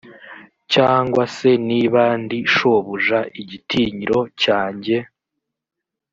cyangwa se niba ndi shobuja igitinyiro cyanjye